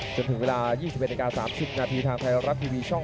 จนถึงเวลา๒๑๓๐นทางท้ายรัททีวีช่อง๓๒